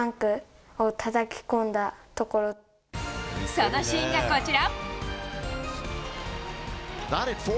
そのシーンがこちら。